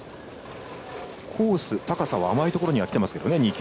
コース、高さは甘いところにはきてますけどね。